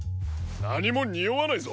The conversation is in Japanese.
なにもにおわないぞ。